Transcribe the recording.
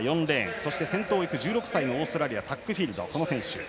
そして先頭１６歳のオーストラリアタックフィールド。